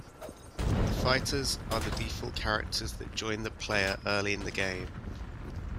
The Fighters are the default characters that join the player early in the game.